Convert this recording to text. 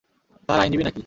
তার আইনজীবী নাকি?